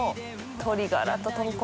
「鶏ガラと豚骨」